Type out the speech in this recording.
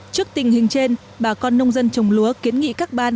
trước tình hình trên bà con nông dân trồng lúa kiến nghị các ban